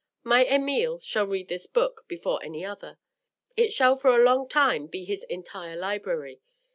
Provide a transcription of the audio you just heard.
My Emile shall read this book before any other. It shall for a long time be his entire library.